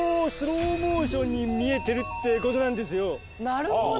なるほど。